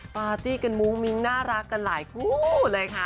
ปาร์ตี้กันมุ้งมิ้งน่ารักกันหลายคู่เลยค่ะ